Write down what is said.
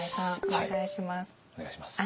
お願いします。